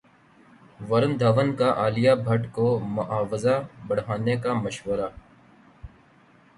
ورن دھون کا عالیہ بھٹ کو معاوضہ بڑھانے کا مشورہ